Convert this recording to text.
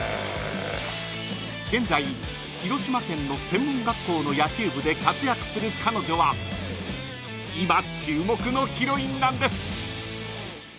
［現在広島県の専門学校の野球部で活躍する彼女は今注目のヒロインなんです］